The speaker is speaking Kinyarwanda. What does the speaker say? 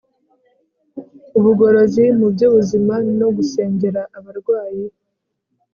ubugorozi mu by'ubuzima no gusengera abarwayi